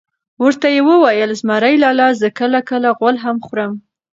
ورته وئې ویل: زمرى لالا زه کله کله غول هم خورم .